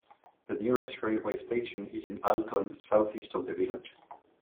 The nearest railway station is in Alton, southeast of the village.